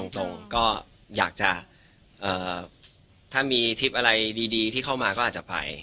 ตรงก็อยากจะถ้ามีทริปอะไรดีที่เข้ามาก็อาจจะไป